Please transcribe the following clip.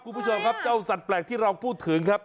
คุณผู้ชมครับเจ้าสัตว์แปลกที่เราพูดถึงครับ